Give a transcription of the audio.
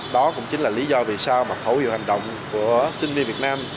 đó cũng chính là lý do vì sao mà khẩu hiệu hành động của sinh viên việt nam